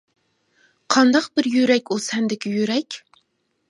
قانداق بىر يۈرەك ئۇ سەندىكى يۈرەك؟ !